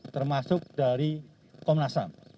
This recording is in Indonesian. termasuk dari komnas ham